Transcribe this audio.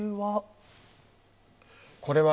これは？